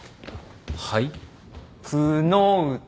はい？